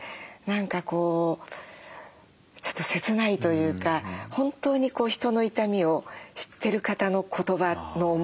何かこうちょっと切ないというか本当に人の痛みを知ってる方の言葉の重みを感じました。